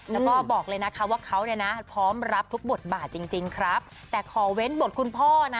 แล้วก็บอกเลยนะคะว่าเขาเนี่ยนะพร้อมรับทุกบทบาทจริงจริงครับแต่ขอเว้นบทคุณพ่อนะ